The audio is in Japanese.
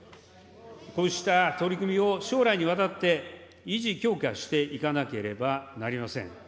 こうした取り組みを将来にわたって維持・強化していかなければなりません。